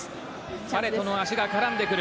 パレトの足が絡んでくる。